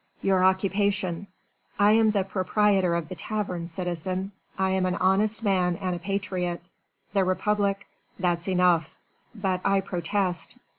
"Your occupation?" "I am the proprietor of the tavern, citizen. I am an honest man and a patriot. The Republic...." "That's enough." "But I protest."